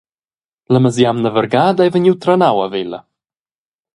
La mesjamna vargada ei vegniu trenau a Vella.